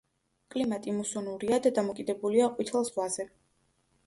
კლიმატი მუსონურია და დამოკიდებულია ყვითელ ზღვაზე.